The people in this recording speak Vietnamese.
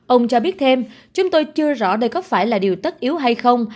ông cho biết thêm chúng tôi chưa rõ đây có phải là điều tất yếu hay không